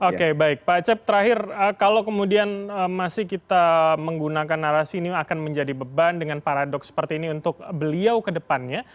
oke baik pak acep terakhir kalau kemudian masih kita menggunakan narasi ini akan menjadi beban dengan paradoks seperti ini untuk beliau ke depannya